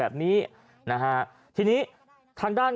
ขอบคุณครับ